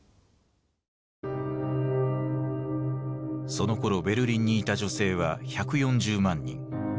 そのころベルリンにいた女性は１４０万人。